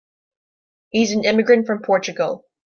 He's an immigrant from Portugal.